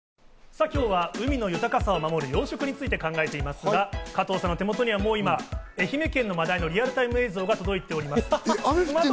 さぁ今日は海の豊かさを守る養殖について考えていますが、加藤さんの手元には、もう愛媛県のマダイのリアルタイム映像が届いています。